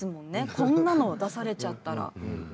こんなのを出されちゃったら。